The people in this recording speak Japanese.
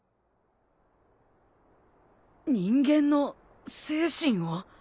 人間の精神を？